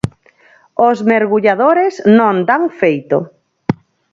Os mergulladores non dan feito.